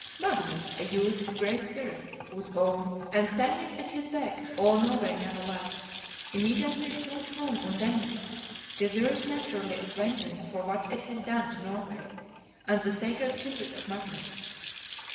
Magnus, a youth of great spirit, whose own, and standing at his beck, all Norway now was, immediately smote home on Denmark; desirous naturally of vengeance for what it had done to Norway, and the sacred kindred of Magnus.